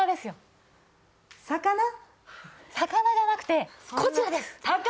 魚じゃなくてこちらです。